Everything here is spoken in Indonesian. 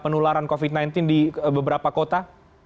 penularan covid sembilan belas di beberapa kota